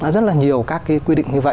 rất là nhiều các cái quy định như vậy